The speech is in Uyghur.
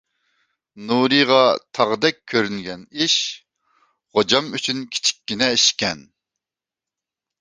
نۇرىغا تاغدەك كۆرۈنگەن ئىش غوجام ئۈچۈن كىچىككىنە ئىشكەن.